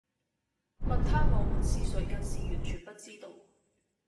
問她我們是誰更是完全不知道